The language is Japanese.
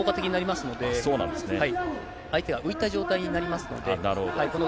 相手が浮いた状態になりますなるほど。